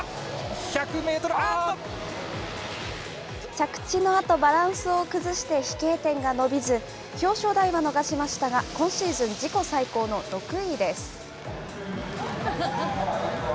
１着地のあと、バランスを崩して、飛型点が伸びず、表彰台は逃しましたが、今シーズン自己最高の６位です。